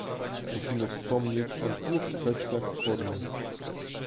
Musimy wspomnieć o dwóch kwestiach spornych